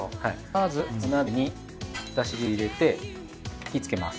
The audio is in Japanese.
まずお鍋にだし汁入れて火をつけます。